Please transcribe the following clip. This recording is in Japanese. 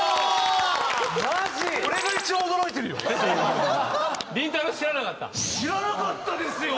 俺が一番、驚いてるよ！